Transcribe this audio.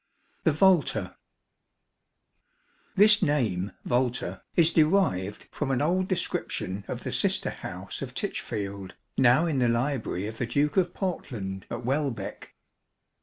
C 33; The Volta. This name, volta, is derived from an old description of the sister house of Titchfield, now in the library of the Duke of Portland at Wei beck.